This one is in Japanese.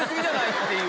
って。